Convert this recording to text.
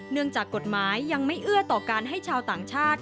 จากกฎหมายยังไม่เอื้อต่อการให้ชาวต่างชาติ